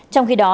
trong khi đó